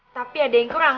tapi ada yang kurang